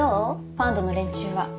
ファンドの連中は。